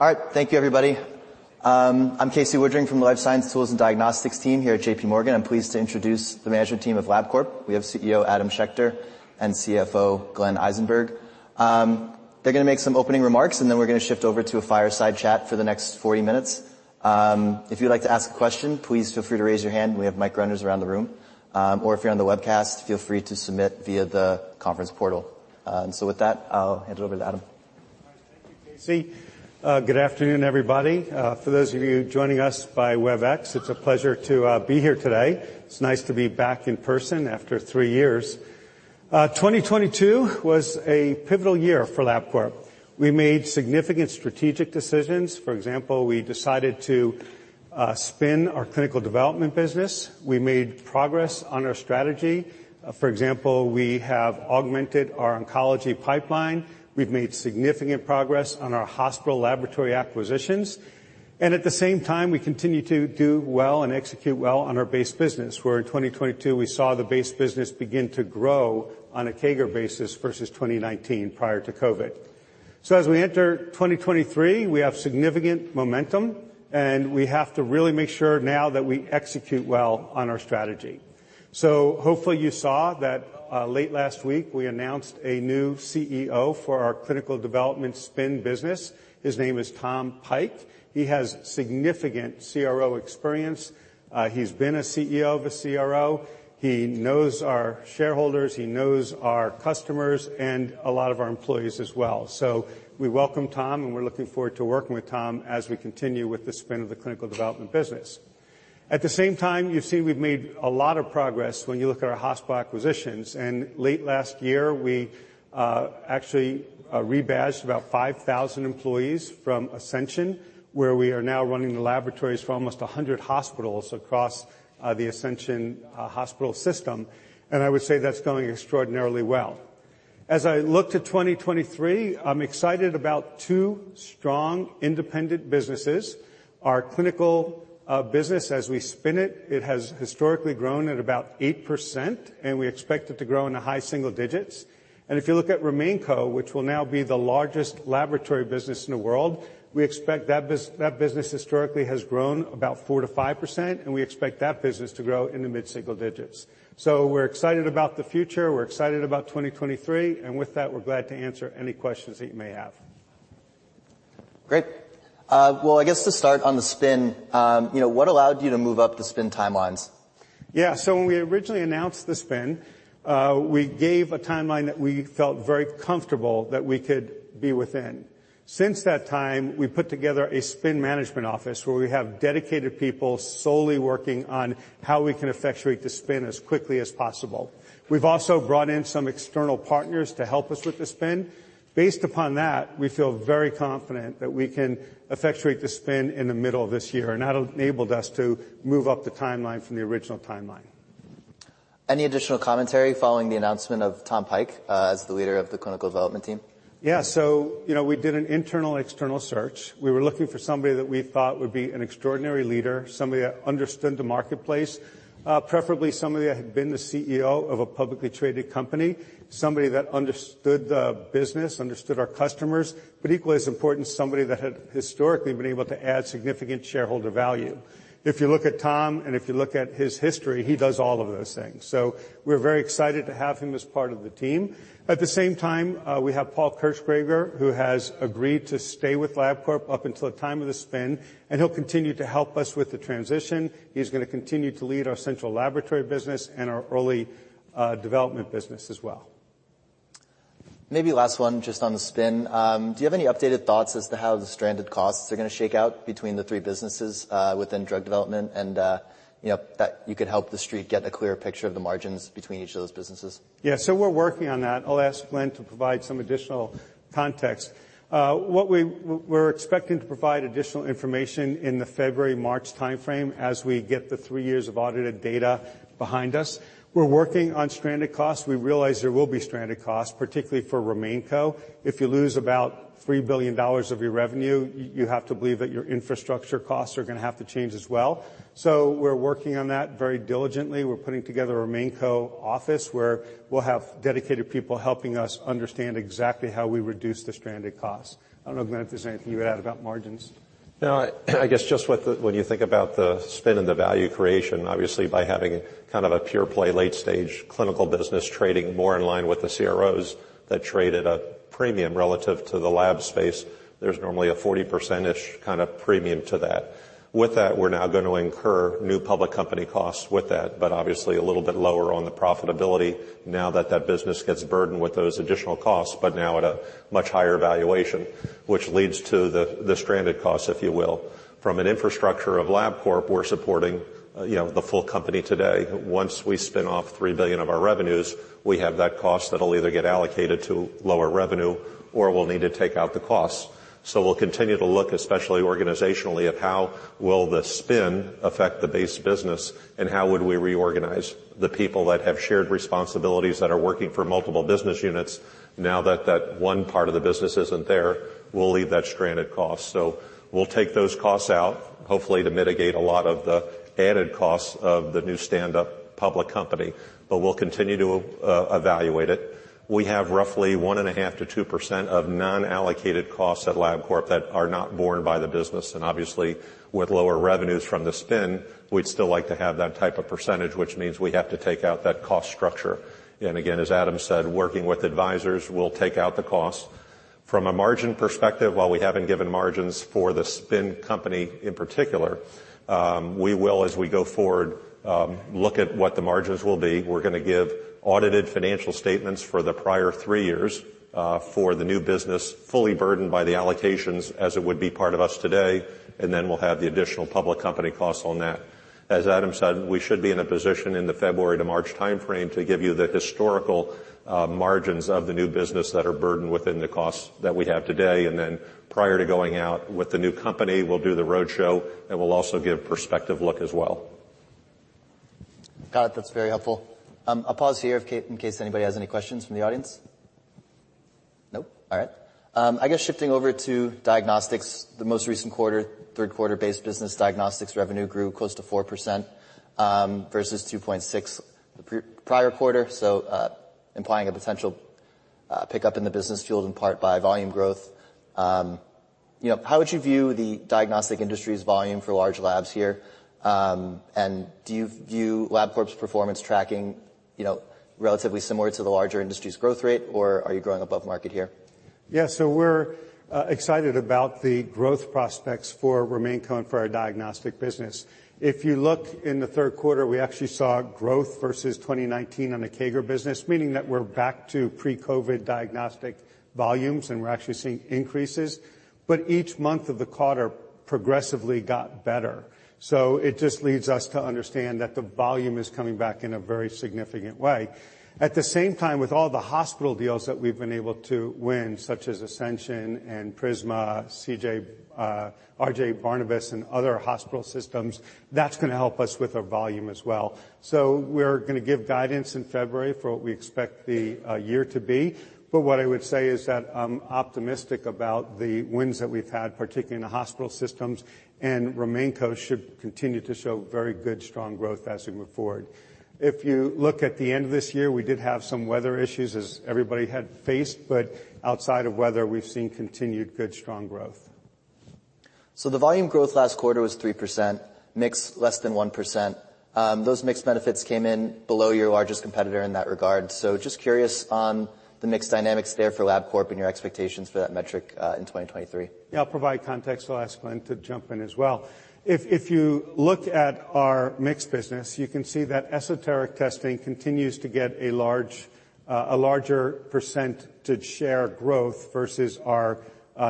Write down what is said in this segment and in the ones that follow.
All right. Thank you, everybody. I'm Casey Woodring from the Life Science Tools and Diagnostics team here at JPMorgan. I'm pleased to introduce the management team of Labcorp. We have CEO, Adam Schechter and CFO, Glenn Eisenberg. They're gonna make some opening remarks, and then we're gonna shift over to a fireside chat for the next 40 minutes. If you'd like to ask a question, please feel free to raise your hand. We have mic runners around the room. If you're on the webcast, feel free to submit via the conference portal. With that, I'll hand it over to Adam. Thank you, Casey. Good afternoon, everybody. For those of you joining us by Webex, it's a pleasure to be here today. It's nice to be back in person after 3 years. 2022 was a pivotal year for Labcorp. We made significant strategic decisions. For example, we decided to spin our clinical development business. We made progress on our strategy. For example, we have augmented our oncology pipeline. We've made significant progress on our hospital laboratory acquisitions. And at the same time, we continue to do well and execute well on our base business, where in 2022, we saw the base business begin to grow on a CAGR basis versus 2019 prior to COVID. As we enter 2023, we have significant momentum, and we have to really make sure now that we execute well on our strategy. Hopefully you saw that late last week, we announced a new CEO for our clinical development spin business. His name is Tom Pike. He has significant CRO experience. He's been a CEO of a CRO. He knows our shareholders, he knows our customers, and a lot of our employees as well. We welcome Tom, and we're looking forward to working with Tom as we continue with the spin of the clinical development business. At the same time, you've seen we've made a lot of progress when you look at our hospital acquisitions. Late last year, we actually rebadged about 5,000 employees from Ascension, where we are now running the laboratories for almost 100 hospitals across the Ascension Hospital system. I would say that's going extraordinarily well. As I look to 2023, I'm excited about two strong independent businesses. Our clinical business, as we spin it has historically grown at about 8%, and we expect it to grow in the high single digits. If you look at RemainCo, which will now be the largest laboratory business in the world, we expect that business historically has grown about 4%-5%, and we expect that business to grow in the mid-single digits. We're excited about the future, we're excited about 2023. With that, we're glad to answer any questions that you may have. Great. Well, I guess to start on the spin, you know, what allowed you to move up the spin timelines? Yeah. When we originally announced the spin, we gave a timeline that we felt very comfortable that we could be within. Since that time, we put together a spin management office where we have dedicated people solely working on how we can effectuate the spin as quickly as possible. We've also brought in some external partners to help us with the spin. Based upon that, we feel very confident that we can effectuate the spin in the middle of this year, and that'll enable us to move up the timeline from the original timeline. Any additional commentary following the announcement of Tom Pike, as the leader of the clinical development team? You know, we did an internal, external search. We were looking for somebody that we thought would be an extraordinary leader, somebody that understood the marketplace, preferably somebody that had been the CEO of a publicly traded company, somebody that understood the business, understood our customers, but equally as important, somebody that had historically been able to add significant shareholder value. If you look at Tom and if you look at his history, he does all of those things. We're very excited to have him as part of the team. At the same time, we have Paul Kirchgraber, who has agreed to stay with Labcorp up until the time of the spin, and he'll continue to help us with the transition. He's gonna continue to lead our central laboratory business and our early development business as well. Maybe last one, just on the spin. Do you have any updated thoughts as to how the stranded costs are gonna shake out between the 3 businesses within drug development and, you know, that you could help the street get a clearer picture of the margins between each of those businesses? Yeah. We're working on that. I'll ask Glenn to provide some additional context. We're expecting to provide additional information in the February, March timeframe as we get the 3 years of audited data behind us. We're working on stranded costs. We realize there will be stranded costs, particularly for RemainCo. If you lose about $3 billion of your revenue, you have to believe that your infrastructure costs are gonna have to change as well. We're working on that very diligently. We're putting together a RemainCo office where we'll have dedicated people helping us understand exactly how we reduce the stranded costs. I don't know, Glenn, if there's anything you would add about margins. No. I guess just with the when you think about the spin and the value creation, obviously by having kind of a pure play late stage clinical business trading more in line with the CROs that trade at a premium relative to the lab space, there's normally a 40%-ish kind of premium to that. With that, we're now going to incur new public company costs with that, but obviously a little bit lower on the profitability now that that business gets burdened with those additional costs, but now at a much higher valuation, which leads to the stranded costs, if you will. From an infrastructure of Labcorp, we're supporting, you know, the full company today. Once we spin off $3 billion of our revenues, we have that cost that will either get allocated to lower revenue or we will need to take out the costs. We'll continue to look, especially organizationally, at how will the spin affect the base business and how would we reorganize the people that have shared responsibilities that are working for multiple business units now that that one part of the business isn't there, will leave that stranded cost. We'll take those costs out, hopefully to mitigate a lot of the added costs of the new stand-up public company, but we'll continue to evaluate it. We have roughly 1.5%-2% of non-allocated costs at Labcorp that are not borne by the business. Obviously, with lower revenues from the spin, we'd still like to have that type of percentage, which means we have to take out that cost structure. Again, as Adam said, working with advisors, we'll take out the costs. From a margin perspective, while we haven't given margins for the spin company in particular, we will, as we go forward, look at what the margins will be. We're gonna give audited financial statements for the prior 3 years, for the new business, fully burdened by the allocations as it would be part of us today, and then we'll have the additional public company costs on that. As Adam said, we should be in a position in the February to March timeframe to give you the historical margins of the new business that are burdened within the costs that we have today, and then prior to going out with the new company, we'll do the roadshow, and we'll also give prospective look as well. Got it. That's very helpful. I'll pause here in case anybody has any questions from the audience. Nope. All right. I guess shifting over to diagnostics, the most recent quarter, 3rd quarter based business diagnostics revenue grew close to 4%, versus 2.6 the prior quarter, implying a potential pickup in the business fueled in part by volume growth. You know, how would you view the diagnostic industry's volume for large labs here? Do you view Labcorp's performance tracking, you know, relatively similar to the larger industry's growth rate, or are you growing above market here? Yeah. We're excited about the growth prospects for RemainCo and for our diagnostic business. If you look in the third quarter, we actually saw growth versus 2019 on a CAGR business, meaning that we're back to pre-COVID diagnostic volumes, and we're actually seeing increases. Each month of the quarter progressively got better. It just leads us to understand that the volume is coming back in a very significant way. At the same time, with all the hospital deals that we've been able to win, such as Ascension and Prisma, RWJBarnabas Health and other hospital systems, that's gonna help us with our volume as well. We're gonna give guidance in February for what we expect the year to be. What I would say is that I'm optimistic about the wins that we've had, particularly in the hospital systems, and RemainCo should continue to show very good, strong growth as we move forward. If you look at the end of this year, we did have some weather issues as everybody had faced, but outside of weather, we've seen continued good, strong growth. The volume growth last quarter was 3%, mix less than 1%. Those mix benefits came in below your largest competitor in that regard. Just curious on the mix dynamics there for Labcorp and your expectations for that metric in 2023. Yeah, I'll provide context. I'll ask Glenn to jump in as well. If you look at our mix business, you can see that esoteric testing continues to get a larger percent to share growth versus our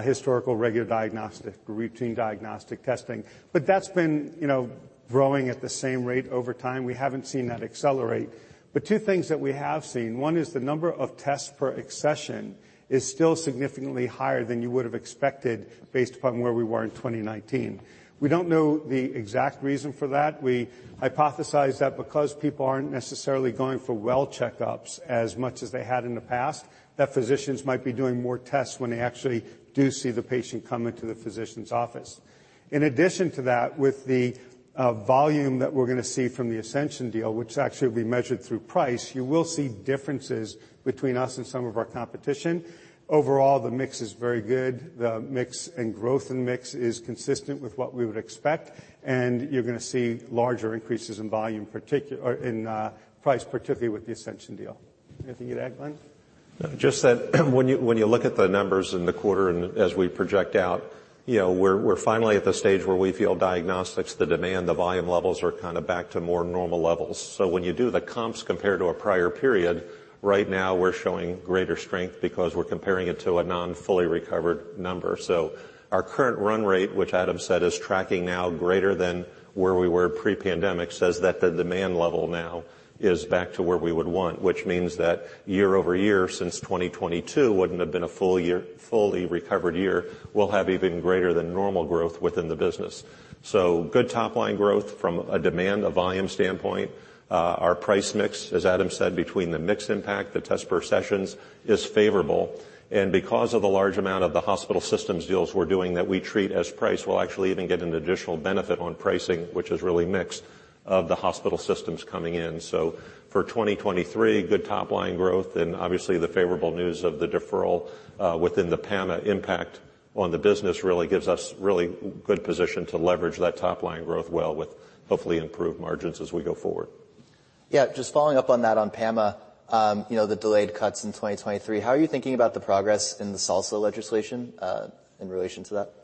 historical regular diagnostic, routine diagnostic testing. That's been, you know, growing at the same rate over time. We haven't seen that accelerate. Two things that we have seen, one is the number of tests per accession is still significantly higher than you would have expected based upon where we were in 2019. We don't know the exact reason for that. We hypothesize that because people aren't necessarily going for well checkups as much as they had in the past, that physicians might be doing more tests when they actually do see the patient come into the physician's office. In addition to that, with the volume that we're gonna see from the Ascension deal, which actually will be measured through price, you will see differences between us and some of our competition. Overall, the mix is very good. The mix and growth in mix is consistent with what we would expect, and you're gonna see larger increases in volume or in price, particularly with the Ascension deal. Anything to add, Glen? Just that when you look at the numbers in the quarter and as we project out, you know, we're finally at the stage where we feel diagnostics, the demand, the volume levels are kind of back to more normal levels. When you do the comps compared to a prior period, right now we're showing greater strength because we're comparing it to a non-fully recovered number. Our current run rate, which Adam said is tracking now greater than where we were pre-pandemic, says that the demand level now is back to where we would want, which means that year-over-year since 2022 wouldn't have been a fully recovered year, will have even greater than normal growth within the business. Good top line growth from a demand, a volume standpoint. Our price mix, as Adam said, between the mix impact, the test per sessions, is favorable. Because of the large amount of the hospital systems deals we're doing that we treat as price, we'll actually even get an additional benefit on pricing, which is really mix, of the hospital systems coming in. For 2023, good top line growth and obviously the favorable news of the deferral, within the PAMA impact on the business really gives us really good position to leverage that top line growth well with hopefully improved margins as we go forward. Yeah. Just following up on that on PAMA, you know, the delayed cuts in 2023, how are you thinking about the progress in the SALSA legislation, in relation to that?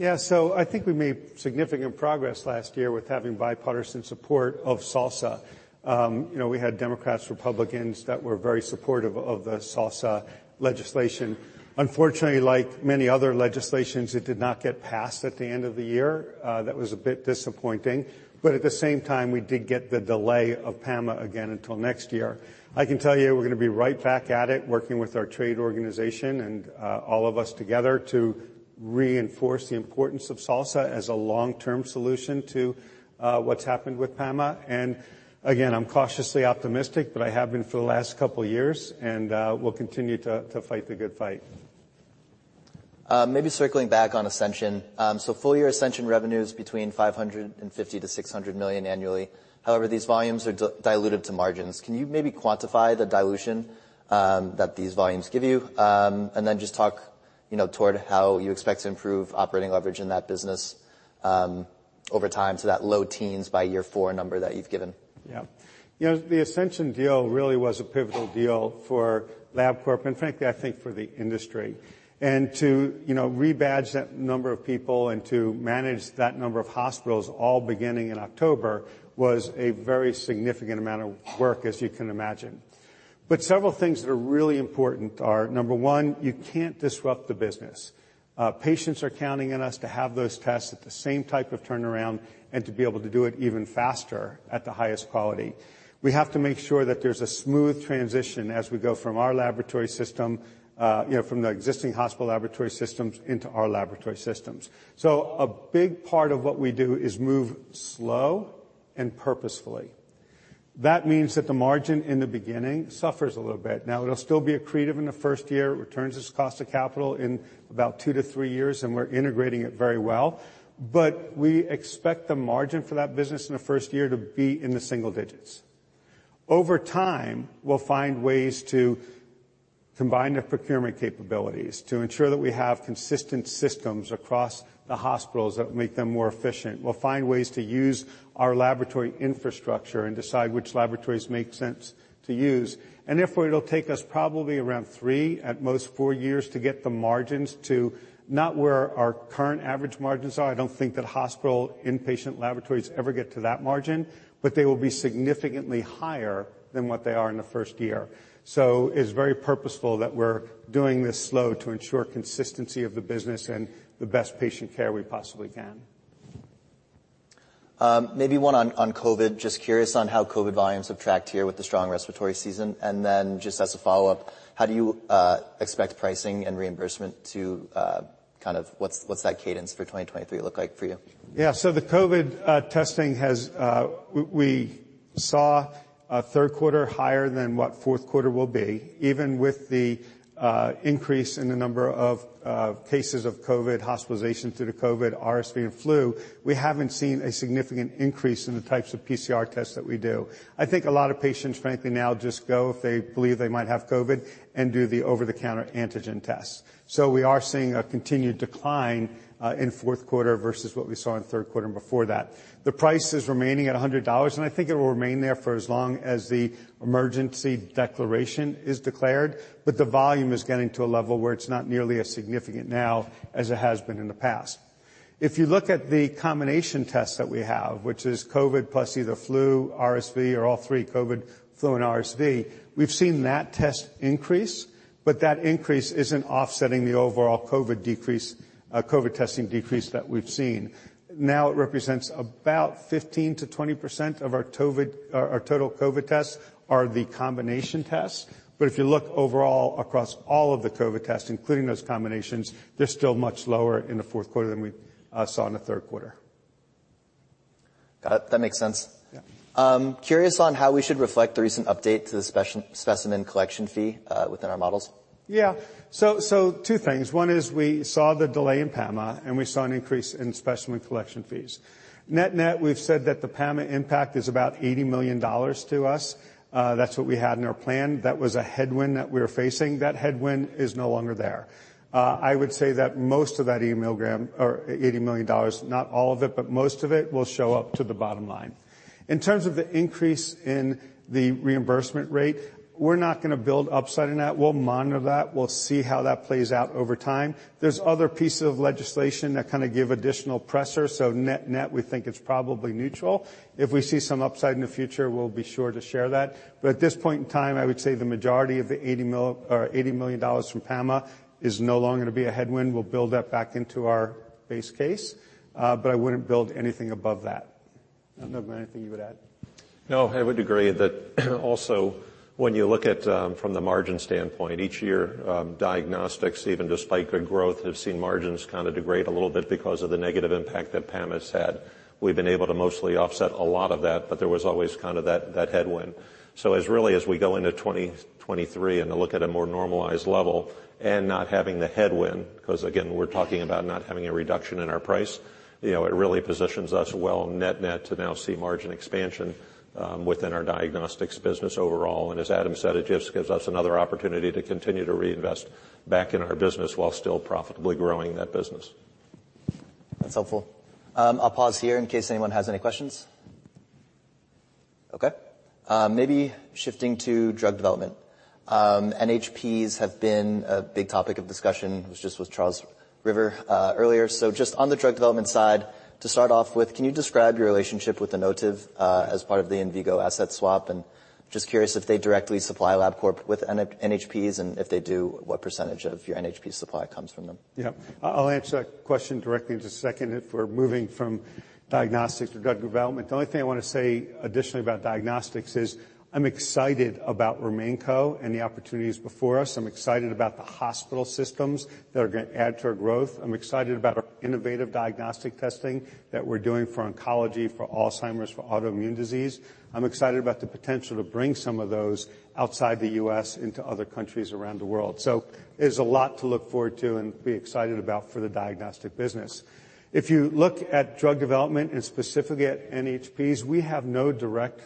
I think we made significant progress last year with having bipartisan support of SALSA. you know, we had Democrats, Republicans that were very supportive of the SALSA legislation. Unfortunately, like many other legislations, it did not get passed at the end of the year. That was a bit disappointing. At the same time, we did get the delay of PAMA again until next year. I can tell you we're gonna be right back at it working with our trade organization and all of us together to reinforce the importance of SALSA as a long-term solution to what's happened with PAMA. Again, I'm cautiously optimistic, but I have been for the last couple years, and we'll continue to fight the good fight. Maybe circling back on Ascension. Full year Ascension revenue is between $550 million-$600 million annually. These volumes are diluted to margins. Can you maybe quantify the dilution that these volumes give you? Just talk, you know, toward how you expect to improve operating leverage in that business over time to that low teens by year 4 number that you've given. Yeah. You know, the Ascension deal really was a pivotal deal for Labcorp, and frankly, I think for the industry. To, you know, rebadge that number of people and to manage that number of hospitals all beginning in October was a very significant amount of work, as you can imagine. Several things that are really important are, number one, you can't disrupt the business. Patients are counting on us to have those tests at the same type of turnaround and to be able to do it even faster at the highest quality. We have to make sure that there's a smooth transition as we go from our laboratory system, you know, from the existing hospital laboratory systems into our laboratory systems. A big part of what we do is move slow and purposefully. That means that the margin in the beginning suffers a little bit. It'll still be accretive in the first year. It returns its cost to capital in about 2-3 years, and we're integrating it very well. We expect the margin for that business in the first year to be in the single digits. Over time, we'll find ways to combine the procurement capabilities to ensure that we have consistent systems across the hospitals that make them more efficient. We'll find ways to use our laboratory infrastructure and decide which laboratories make sense to use. Therefore, it'll take us probably around three, at most four years to get the margins to not where our current average margins are. I don't think that hospital inpatient laboratories ever get to that margin, but they will be significantly higher than what they are in the first year. It's very purposeful that we're doing this slow to ensure consistency of the business and the best patient care we possibly can. maybe one on COVID. Just curious on how COVID volumes have tracked here with the strong respiratory season. Just as a follow-up, how do you expect pricing and reimbursement to kind of what's that cadence for 2023 look like for you? Yeah. The COVID testing has we saw a third quarter higher than what fourth quarter will be, even with the increase in the number of cases of COVID, hospitalizations due to COVID, RSV, and flu. We haven't seen a significant increase in the types of PCR tests that we do. I think a lot of patients, frankly, now just go if they believe they might have COVID and do the over-the-counter antigen test. We are seeing a continued decline in fourth quarter versus what we saw in third quarter and before that. The price is remaining at $100, and I think it will remain there for as long as the emergency declaration is declared, but the volume is getting to a level where it's not nearly as significant now as it has been in the past. If you look at the combination tests that we have, which is COVID plus either flu, RSV or all three, COVID, flu and RSV, we've seen that test increase, that increase isn't offsetting the overall COVID testing decrease that we've seen. It represents about 15%-20% of our total COVID tests are the combination tests. If you look overall across all of the COVID tests, including those combinations, they're still much lower in the fourth quarter than we saw in the third quarter. Got it. That makes sense. Yeah. Curious on how we should reflect the recent update to the specimen collection fee within our models. So, two things. One is we saw the delay in PAMA, and we saw an increase in specimen collection fees. Net-net, we've said that the PAMA impact is about $80 million to us. That's what we had in our plan. That was a headwind that we were facing. That headwind is no longer there. I would say that most of that email gram or $80 million, not all of it, but most of it will show up to the bottom line. In terms of the increase in the reimbursement rate, we're not gonna build upside in that. We'll monitor that. We'll see how that plays out over time. There's other pieces of legislation that kind of give additional pressure. Net-net, we think it's probably neutral. If we see some upside in the future, we'll be sure to share that. At this point in time, I would say the majority of the $80 million from PAMA is no longer gonna be a headwind. We'll build that back into our base case, but I wouldn't build anything above that. I don't know, anything you would add? No, I would agree that also when you look at, from the margin standpoint, each year, diagnostics, even despite good growth, have seen margins kind of degrade a little bit because of the negative impact that PAMA's had. We've been able to mostly offset a lot of that, but there was always kind of that headwind. As really as we go into 2023 and to look at a more normalized level and not having the headwind, 'cause again, we're talking about not having a reduction in our price, you know, it really positions us well net-net to now see margin expansion, within our diagnostics business overall. As Adam said, it just gives us another opportunity to continue to reinvest back in our business while still profitably growing that business. That's helpful. I'll pause here in case anyone has any questions. Okay. Maybe shifting to drug development. NHPs have been a big topic of discussion. It was just with Charles River earlier. Just on the drug development side, to start off with, can you describe your relationship with Envigo as part of the Envigo asset swap? Just curious if they directly supply Labcorp with NHPs, and if they do, what % of your NHP supply comes from them? Yeah. I'll answer that question directly in just a second if we're moving from diagnostics to drug development. The only thing I wanna say additionally about diagnostics is I'm excited about RemainCo. The opportunities before us. I'm excited about the hospital systems that are gonna add to our growth. I'm excited about our innovative diagnostic testing that we're doing for oncology, for Alzheimer's, for autoimmune disease. I'm excited about the potential to bring some of those outside the U.S. into other countries around the world. There's a lot to look forward to and be excited about for the diagnostic business. If you look at drug development and specifically at NHPs, we have no direct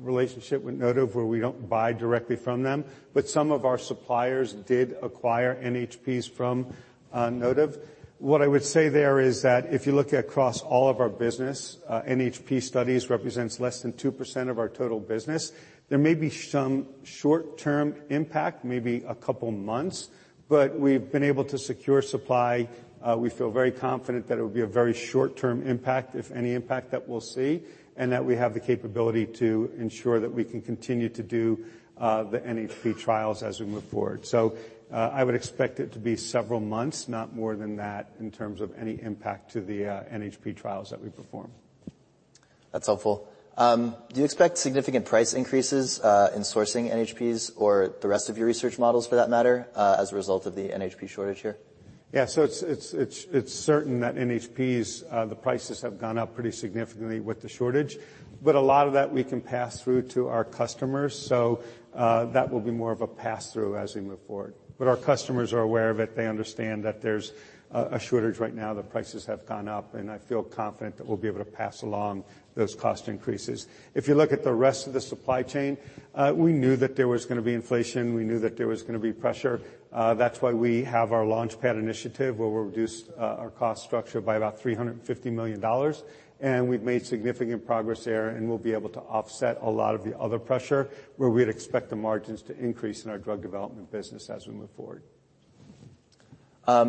relationship with Inotiv where we don't buy directly from them, but some of our suppliers did acquire NHPs from Inotiv. What I would say there is that if you look across all of our business, NHP studies represents less than 2% of our total business. There may be some short-term impact, maybe a couple months, but we've been able to secure supply. We feel very confident that it would be a very short-term impact, if any impact that we'll see, and that we have the capability to ensure that we can continue to do the NHP trials as we move forward. I would expect it to be several months, not more than that, in terms of any impact to the NHP trials that we perform. That's helpful. Do you expect significant price increases in sourcing NHPs or the rest of your research models for that matter, as a result of the NHP shortage here? Yeah. It's certain that NHPs, the prices have gone up pretty significantly with the shortage, but a lot of that we can pass through to our customers. That will be more of a pass-through as we move forward. Our customers are aware of it. They understand that there's a shortage right now, that prices have gone up, and I feel confident that we'll be able to pass along those cost increases. If you look at the rest of the supply chain, we knew that there was gonna be inflation. We knew that there was gonna be pressure. that's why we have our LaunchPad initiative, where we reduced our cost structure by about $350 million, and we've made significant progress there, and we'll be able to offset a lot of the other pressure, where we'd expect the margins to increase in our drug development business as we move forward.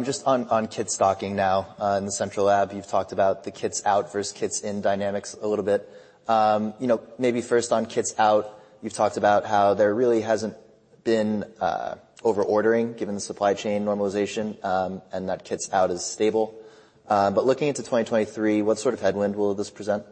Just on kit stocking now. In the central lab, you've talked about the kits out versus kits in dynamics a little bit. You know, maybe first on kits out, you've talked about how there really hasn't been over-ordering given the supply chain normalization, and that kits out is stable. Looking into 2023, what sort of headwind will this present?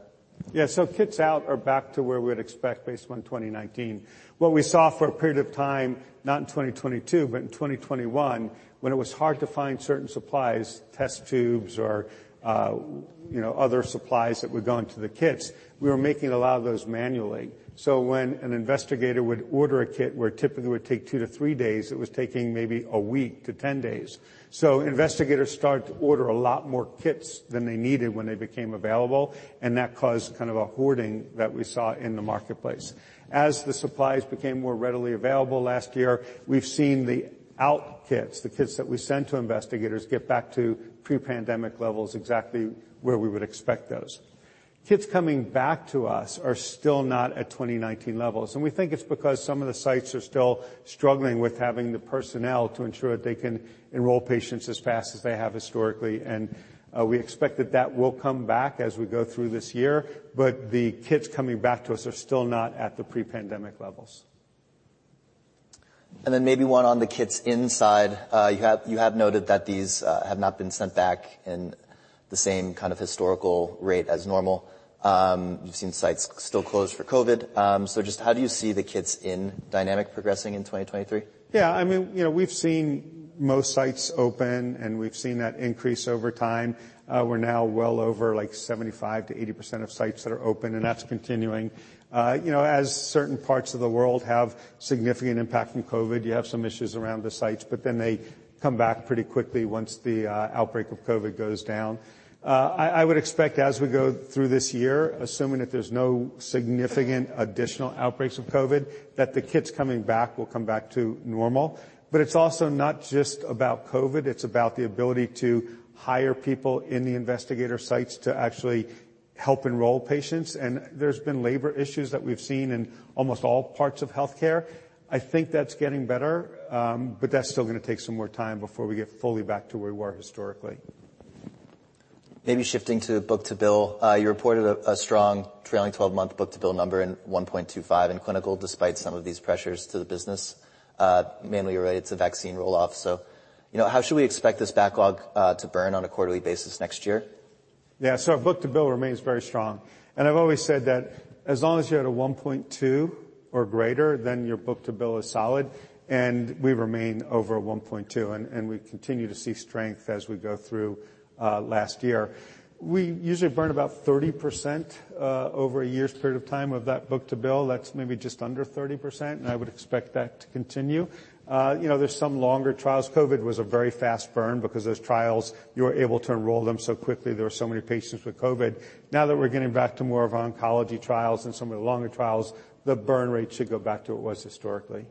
Yeah. kits out are back to where we'd expect based on 2019. What we saw for a period of time, not in 2022 but in 2021, when it was hard to find certain supplies, test tubes or, you know, other supplies that would go into the kits, we were making a lot of those manually. When an investigator would order a kit, where typically it would take 2-3 days, it was taking maybe a week to 10 days. Investigators started to order a lot more kits than they needed when they became available, and that caused kind of a hoarding that we saw in the marketplace. As the supplies became more readily available last year, we've seen the out kits, the kits that we send to investigators, get back to pre-pandemic levels, exactly where we would expect those. Kits coming back to us are still not at 2019 levels, and we think it's because some of the sites are still struggling with having the personnel to ensure that they can enroll patients as fast as they have historically. We expect that that will come back as we go through this year, but the kits coming back to us are still not at the pre-pandemic levels. Maybe one on the kits inside. You have noted that these have not been sent back in the same kind of historical rate as normal. You've seen sites still closed for COVID. Just how do you see the kits in dynamic progressing in 2023? Yeah. I mean, you know, we've seen most sites open, and we've seen that increase over time. We're now well over, like, 75%-80% of sites that are open, and that's continuing. You know, as certain parts of the world have significant impact from COVID, you have some issues around the sites, but then they come back pretty quickly once the outbreak of COVID goes down. I would expect as we go through this year, assuming that there's no significant additional outbreaks of COVID, that the kits coming back will come back to normal. But it's also not just about COVID, it's about the ability to hire people in the investigator sites to actually help enroll patients. There's been labor issues that we've seen in almost all parts of healthcare. I think that's getting better, but that's still gonna take some more time before we get fully back to where we were historically. Maybe shifting to book-to-bill. You reported a strong trailing 12-month book-to-bill number in 1.25 in clinical, despite some of these pressures to the business. Mainly related to vaccine roll-off. You know, how should we expect this backlog to burn on a quarterly basis next year? Yeah. Our book-to-bill remains very strong. I've always said that as long as you're at a 1.2 or greater, then your book-to-bill is solid, and we remain over 1.2, and we continue to see strength as we go through last year. We usually burn about 30% over a year's period of time of that book-to-bill. That's maybe just under 30%, and I would expect that to continue. You know, there's some longer trials. COVID was a very fast burn because those trials, you were able to enroll them so quickly. There were so many patients with COVID. Now that we're getting back to more of oncology trials and some of the longer trials, the burn rate should go back to what it was historically.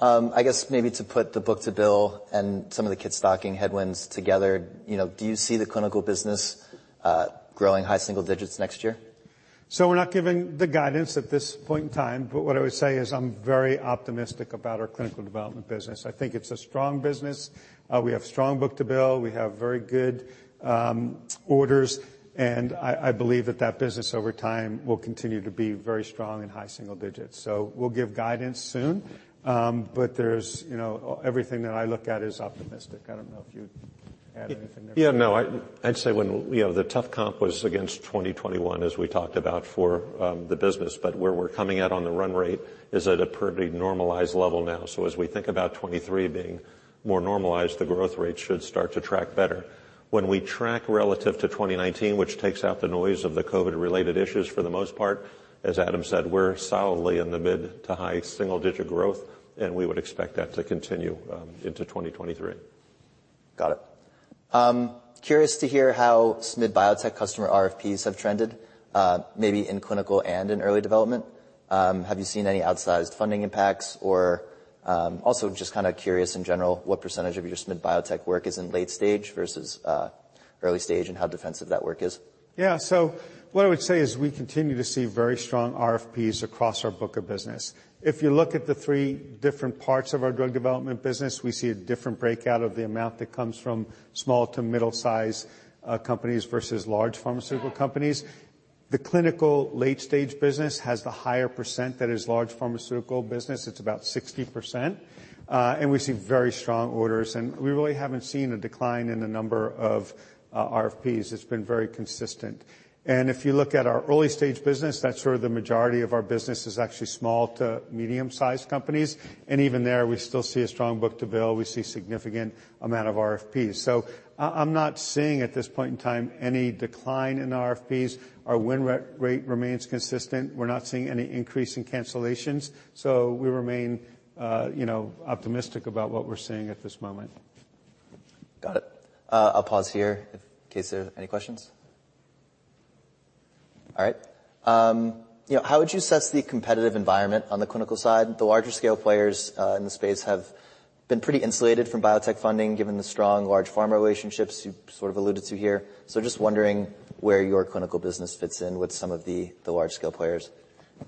I guess maybe to put the book-to-bill and some of the kit stocking headwinds together, you know, do you see the clinical business, growing high single digits next year? We're not giving the guidance at this point in time, but what I would say is I'm very optimistic about our clinical development business. I think it's a strong business. We have strong book-to-bill. We have very good orders, and I believe that that business over time will continue to be very strong in high single digits. We'll give guidance soon. But there's, you know, everything that I look at is optimistic. I don't know if you'd add anything there? Yeah, no. I'd say when, you know, the tough comp was against 2021, as we talked about, for the business, but where we're coming out on the run rate is at a pretty normalized level now. As we think about 2023 being more normalized, the growth rate should start to track better. When we track relative to 2019, which takes out the noise of the COVID-related issues for the most part, as Adam said, we're solidly in the mid to high single-digit growth, and we would expect that to continue into 2023. Got it. curious to hear how SMID biotech customer RFPs have trended, maybe in clinical and in early development? Have you seen any outsized funding impacts? Also just kinda curious in general, what % of your SMID biotech work is in late stage versus early stage, and how defensive that work is? What I would say is we continue to see very strong RFPs across our book of business. If you look at the three different parts of our drug development business, we see a different breakout of the amount that comes from small to middle-size companies versus large pharmaceutical companies. The clinical late stage business has the higher % that is large pharmaceutical business. It's about 60%. We see very strong orders, and we really haven't seen a decline in the number of RFPs. It's been very consistent. If you look at our early-stage business, that's where the majority of our business is actually small to medium-sized companies. Even there, we still see a strong book-to-bill. We see significant amount of RFPs. I'm not seeing, at this point in time, any decline in RFPs. Our win rate remains consistent. We're not seeing any increase in cancellations, so we remain, you know, optimistic about what we're seeing at this moment. Got it. I'll pause here in case there are any questions. All right. you know, how would you assess the competitive environment on the clinical side? The larger scale players, in the space have been pretty insulated from biotech funding, given the strong large pharma relationships you sort of alluded to here. Just wondering where your clinical business fits in with some of the large scale players.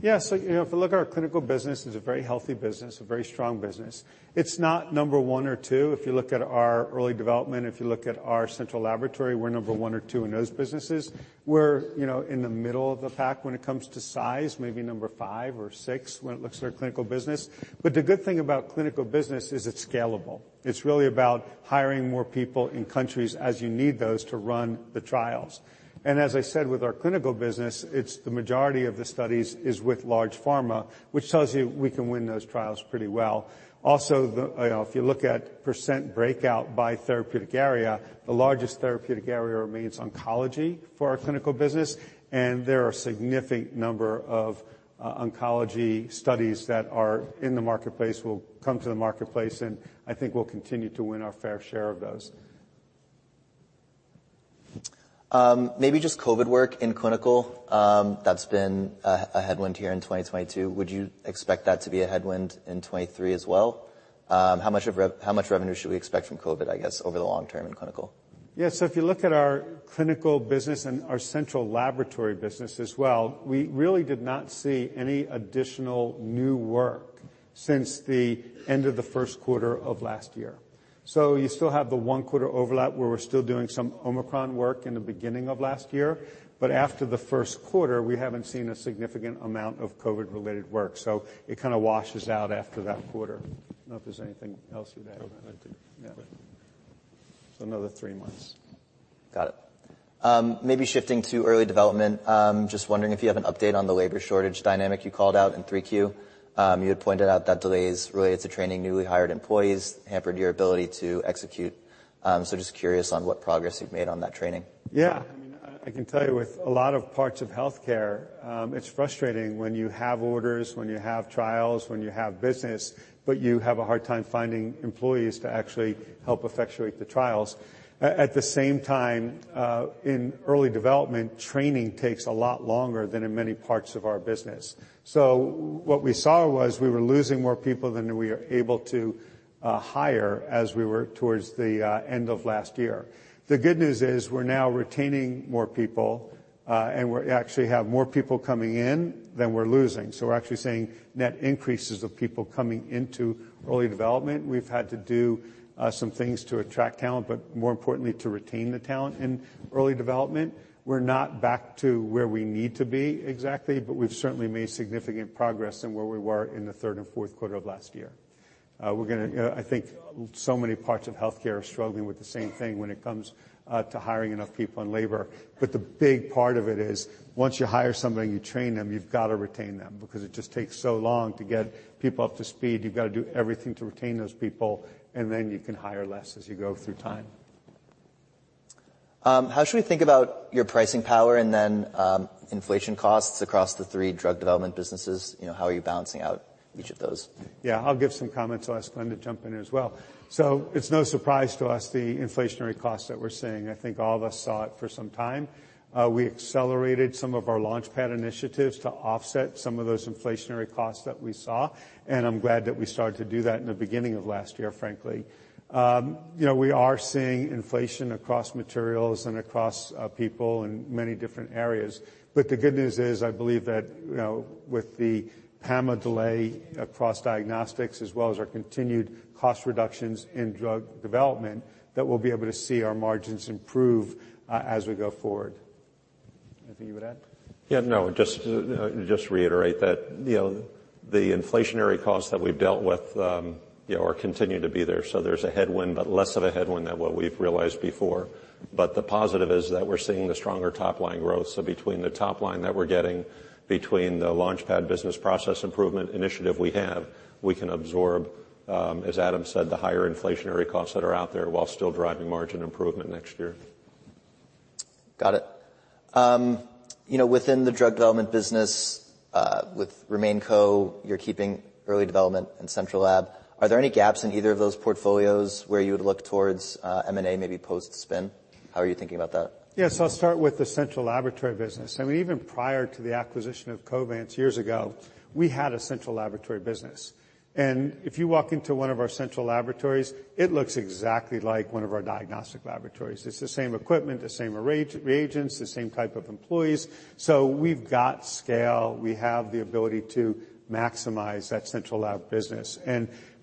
Yeah. You know, if you look at our clinical business, it's a very healthy business, a very strong business. It's not number 1 or 2. If you look at our early development, if you look at our central laboratory, we're number 1 or 2 in those businesses. We're, you know, in the middle of the pack when it comes to size, maybe number 5 or 6 when it looks at our clinical business. The good thing about clinical business is it's scalable. It's really about hiring more people in countries as you need those to run the trials. As I said, with our clinical business, it's the majority of the studies is with large pharma, which tells you we can win those trials pretty well. you know, if you look at % breakout by therapeutic area, the largest therapeutic area remains oncology for our clinical business, and there are a significant number of oncology studies that are in the marketplace, will come to the marketplace, and I think we'll continue to win our fair share of those. Maybe just COVID work in clinical, that's been a headwind here in 2022. Would you expect that to be a headwind in 2023 as well? How much revenue should we expect from COVID, I guess, over the long term in clinical? Yeah. If you look at our clinical business and our central laboratory business as well, we really did not see any additional new work since the end of the first quarter of last year. You still have the one quarter overlap where we're still doing some Omicron work in the beginning of last year. After the first quarter, we haven't seen a significant amount of COVID-related work, so it kinda washes out after that quarter. I don't know if there's anything else you'd add. No, I think... Yeah. Another three months. Got it. Maybe shifting to early development, just wondering if you have an update on the labor shortage dynamic you called out in 3Q. You had pointed out that delays related to training newly hired employees hampered your ability to execute. Just curious on what progress you've made on that training. Yeah. I mean, I can tell you with a lot of parts of healthcare, it's frustrating when you have orders, when you have trials, when you have business, but you have a hard time finding employees to actually help effectuate the trials. At the same time, in early development, training takes a lot longer than in many parts of our business. What we saw was we were losing more people than we are able to hire as we were towards the end of last year. The good news is we're now retaining more people, and we actually have more people coming in than we're losing. We're actually seeing net increases of people coming into early development. We've had to do some things to attract talent, but more importantly, to retain the talent in early development. We're not back to where we need to be exactly, but we've certainly made significant progress in where we were in the third and fourth quarter of last year. I think so many parts of healthcare are struggling with the same thing when it comes to hiring enough people and labor. The big part of it is once you hire somebody and you train them, you've got to retain them because it just takes so long to get people up to speed. You've got to do everything to retain those people, you can hire less as you go through time. How should we think about your pricing power and then inflation costs across the 3 drug development businesses? You know, how are you balancing out each of those? Yeah. I'll give some comments. I'll ask Glen to jump in as well. It's no surprise to us the inflationary costs that we're seeing. I think all of us saw it for some time. We accelerated some of our LaunchPad initiatives to offset some of those inflationary costs that we saw, and I'm glad that we started to do that in the beginning of last year, frankly. you know, we are seeing inflation across materials and across people in many different areas. The good news is, I believe that, you know, with the PAMA delay across diagnostics, as well as our continued cost reductions in drug development, that we'll be able to see our margins improve as we go forward. Anything you would add? No, just reiterate that, you know, the inflationary costs that we've dealt with, you know, are continuing to be there. There's a headwind, but less of a headwind than what we've realized before. The positive is that we're seeing the stronger top-line growth. Between the top line that we're getting, between the LaunchPad business process improvement initiative we have, we can absorb, as Adam said, the higher inflationary costs that are out there while still driving margin improvement next year. Got it. you know, within the drug development business, with RemainCo, you're keeping early development and central lab. Are there any gaps in either of those portfolios where you would look towards, M&A, maybe post-spin? How are you thinking about that? Yes, I'll start with the central laboratory business. I mean, even prior to the acquisition of Covance years ago, we had a central laboratory business. If you walk into one of our central laboratories, it looks exactly like one of our diagnostic laboratories. It's the same equipment, the same reagents, the same type of employees. We've got scale. We have the ability to maximize that central lab business.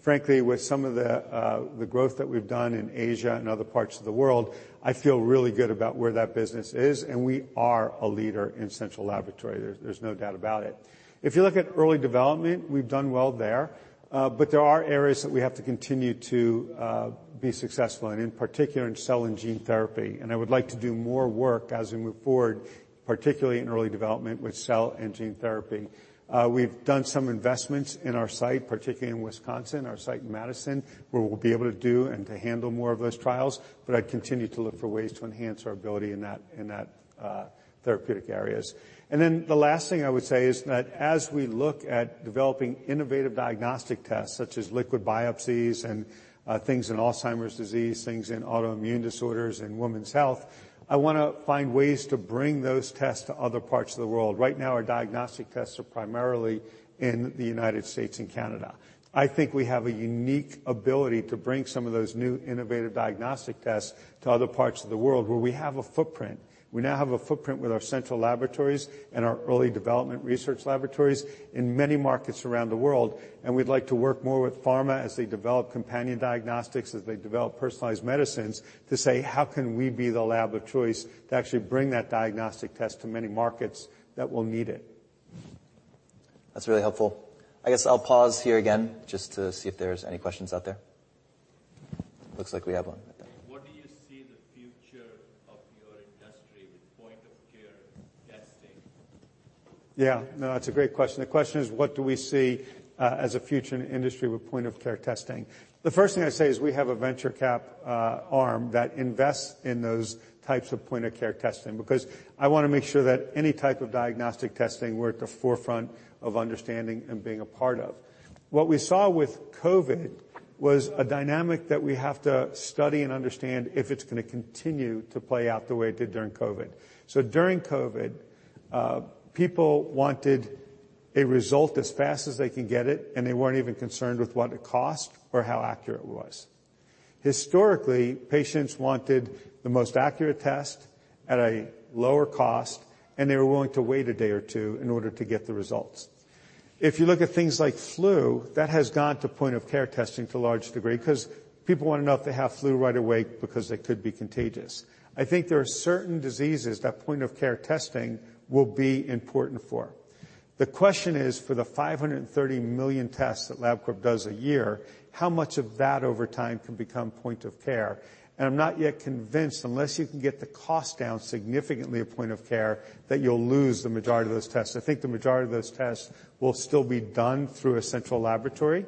Frankly, with some of the growth that we've done in Asia and other parts of the world, I feel really good about where that business is, and we are a leader in central laboratory. There's no doubt about it. If you look at early development, we've done well there. There are areas that we have to continue to be successful and in particular in cell and gene therapy. I would like to do more work as we move forward, particularly in early development with cell and gene therapy. We've done some investments in our site, particularly in Wisconsin, our site in Madison, where we'll be able to do and to handle more of those trials, but I continue to look for ways to enhance our ability in that therapeutic areas. The last thing I would say is that as we look at developing innovative diagnostic tests such as liquid biopsies and things in Alzheimer's disease, things in autoimmune disorders and women's health, I wanna find ways to bring those tests to other parts of the world. Right now, our diagnostic tests are primarily in the United States and Canada. I think we have a unique ability to bring some of those new innovative diagnostic tests to other parts of the world where we have a footprint. We now have a footprint with our central laboratories and our early development research laboratories in many markets around the world. We'd like to work more with pharma as they develop companion diagnostics, as they develop personalized medicine to say, "How can we be the lab of choice to actually bring that diagnostic test to many markets that will need it? That's really helpful. I guess I'll pause here again just to see if there's any questions out there. Looks like we have one. What do you see the future of your industry with point-of-care testing? Yeah. No, it's a great question. The question is, what do we see as a future in industry with point-of-care testing? The first thing I say is we have a venture cap arm that invests in those types of point-of-care testing because I wanna make sure that any type of diagnostic testing, we're at the forefront of understanding and being a part of. What we saw with COVID was a dynamic that we have to study and understand if it's gonna continue to play out the way it did during COVID. During COVID, people wanted a result as fast as they can get it, and they weren't even concerned with what it cost or how accurate it was. Historically, patients wanted the most accurate test at a lower cost. They were willing to wait a day or two in order to get the results. If you look at things like flu, that has gone to point-of-care testing to a large degree because people wanna know if they have flu right away because they could be contagious. I think there are certain diseases that point-of-care testing will be important for. The question is for the 530 million tests that Labcorp does a year, how much of that over time can become point-of-care? I'm not yet convinced unless you can get the cost down significantly at point-of-care that you'll lose the majority of those tests. I think the majority of those tests will still be done through a central laboratory.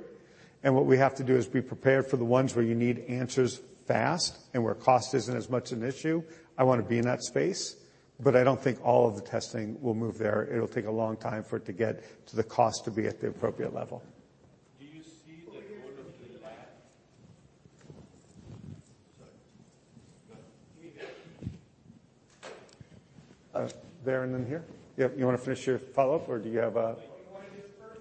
What we have to do is be prepared for the ones where you need answers fast and where cost isn't as much an issue. I wanna be in that space, but I don't think all of the testing will move there. It'll take a long time for it to get to the cost to be at the appropriate level. Do you see the role of the lab? Sorry. there and then here. Yep. You wanna finish your follow-up or do you have? Do you wanna go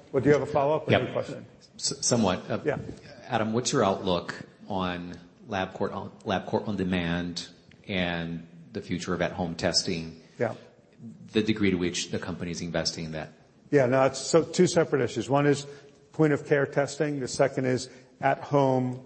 first? Well, do you have a follow-up or another question? Yep. Somewhat. Yeah. Adam, what's your outlook on Labcorp OnDemand and the future of at-home testing? Yeah. The degree to which the company's investing in that. Yeah. No, it's two separate issues. One is point-of-care testing, the second is at home,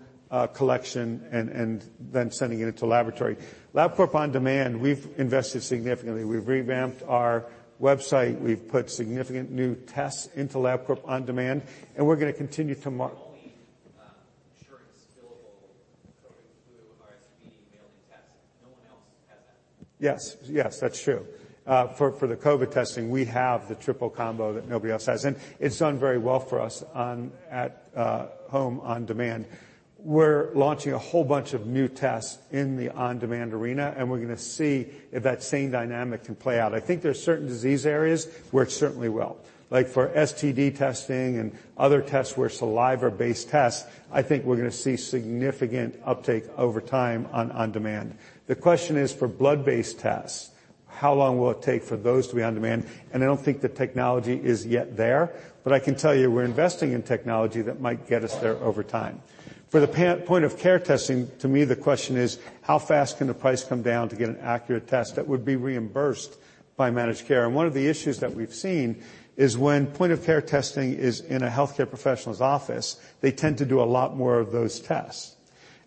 collection and then sending it into a laboratory. Labcorp OnDemand, we've invested significantly. We've revamped our website. We've put significant new tests into Labcorp OnDemand, and we're gonna continue. The only assurance billable COVID, flu, RSV mailing tests. No one else has that. Yes. Yes, that's true. For the COVID testing, we have the triple combo that nobody else has, and it's done very well for us on at home OnDemand. We're launching a whole bunch of new tests in the OnDemand arena, and we're gonna see if that same dynamic can play out. I think there's certain disease areas where it certainly will. Like for STD testing and other tests where saliva-based tests, I think we're gonna see significant uptake over time on OnDemand. The question is for blood-based tests, how long will it take for those to be OnDemand? I don't think the technology is yet there. I can tell you, we're investing in technology that might get us there over time. For the point-of-care testing, to me the question is how fast can the price come down to get an accurate test that would be reimbursed by managed care? One of the issues that we've seen is when point-of-care testing is in a healthcare professional's office, they tend to do a lot more of those tests.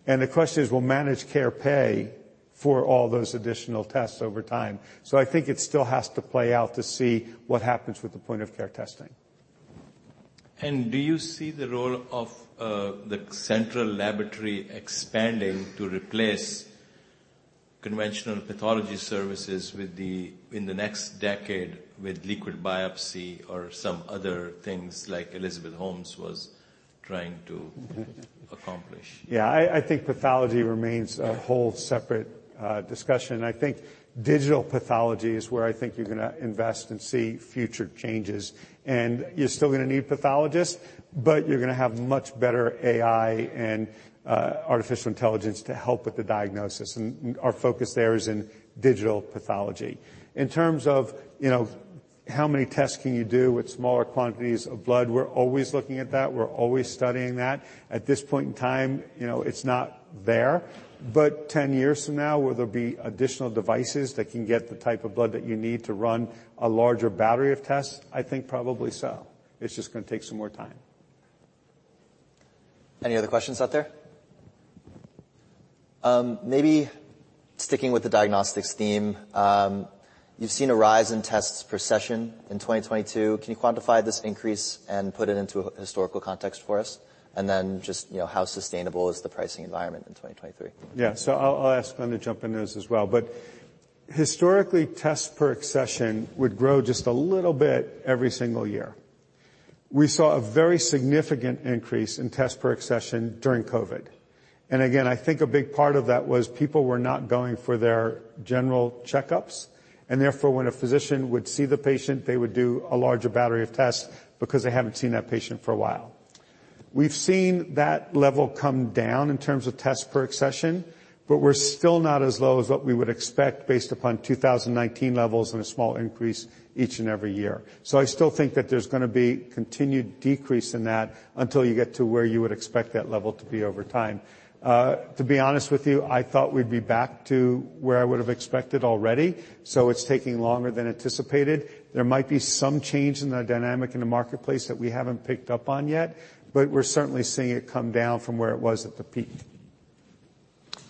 The question is, will managed care pay for all those additional tests over time? I think it still has to play out to see what happens with the point-of-care testing. Do you see the role of the central laboratory expanding to replace conventional pathology services in the next decade with liquid biopsy or some other things like Elizabeth Holmes was trying to accomplish? Yeah. I think pathology remains a whole separate discussion. I think digital pathology is where I think you're gonna invest and see future changes. You're still gonna need pathologists, but you're gonna have much better AI and artificial intelligence to help with the diagnosis. Our focus there is in digital pathology. In terms of, you know, how many tests can you do with smaller quantities of blood? We're always looking at that. We're always studying that. At this point in time, you know, it's not there. 10 years from now, will there be additional devices that can get the type of blood that you need to run a larger battery of tests? I think probably so. It's just gonna take some more time. Any other questions out there? Maybe sticking with the diagnostics theme. You've seen a rise in tests per session in 2022. Can you quantify this increase and put it into a historical context for us? Then just, you know, how sustainable is the pricing environment in 2023? I'll ask Glenn to jump into this as well. Historically, tests per accession would grow just a little bit every single year. We saw a very significant increase in tests per accession during COVID. Again, I think a big part of that was people were not going for their general checkups, and therefore, when a physician would see the patient, they would do a larger battery of tests because they haven't seen that patient for a while. We've seen that level come down in terms of tests per accession, we're still not as low as what we would expect based upon 2019 levels and a small increase each and every year. I still think that there's gonna be continued decrease in that until you get to where you would expect that level to be over time. To be honest with you, I thought we'd be back to where I would have expected already, so it's taking longer than anticipated. There might be some change in the dynamic in the marketplace that we haven't picked up on yet, but we're certainly seeing it come down from where it was at the peak.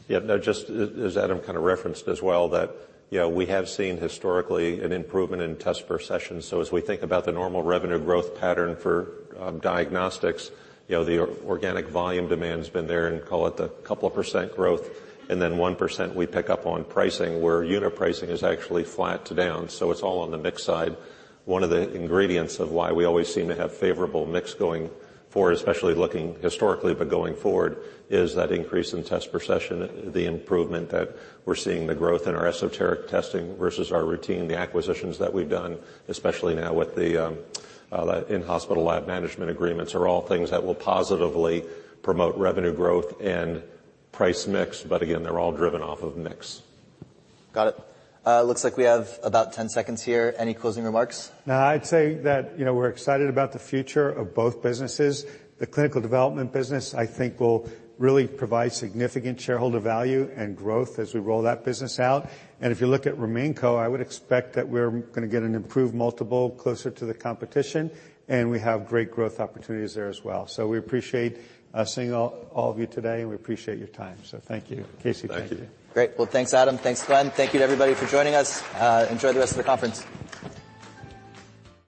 Yeah. No, just as Adam kind of referenced as well that, you know, we have seen historically an improvement in tests per session. As we think about the normal revenue growth pattern for diagnostics, you know, the organic volume demand has been there and call it a couple of % growth. Then 1% we pick up on pricing, where unit pricing is actually flat to down, so it's all on the mix side. One of the ingredients of why we always seem to have favorable mix going forward, especially looking historically but going forward, is that increase in tests per session, the improvement that we're seeing the growth in our esoteric testing versus our routine, the acquisitions that we've done, especially now with the in-hospital lab management agreements, are all things that will positively promote revenue growth and price mix. Again, they're all driven off of mix. Got it. It looks like we have about 10 seconds here. Any closing remarks? I'd say that, you know, we're excited about the future of both businesses. The clinical development business, I think, will really provide significant shareholder value and growth as we roll that business out. If you look at RemainCo, I would expect that we're gonna get an improved multiple closer to the competition, and we have great growth opportunities there as well. We appreciate seeing all of you today, and we appreciate your time. Thank you, Casey. Thank you. Great. Well, thanks, Adam. Thanks, Glenn. Thank you to everybody for joining us. Enjoy the rest of the conference.